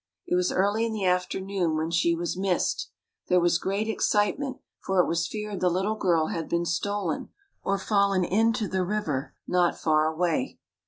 It was early in the afternoon when she was missed. There was great excitement, for it was feared the little girl had been stolen, or fallen into the river not far away.